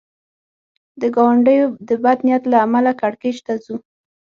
د ګاونډیو د بد نیت له امله کړکېچ ته ځو.